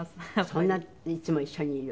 そんないつも一緒にいる？